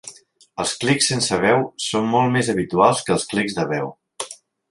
Els clics sense veu són molt més habituals que els clics de veu.